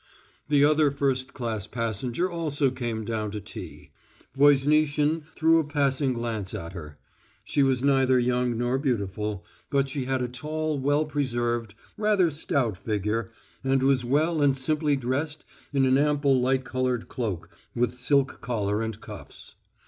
The other first class passenger also came down for tea. Voznitsin threw a passing glance at her. She was neither young nor beautiful, but she had a tall, well preserved, rather stout figure, and was well and simply dressed in an ample light coloured cloak with silk collar and cuffs.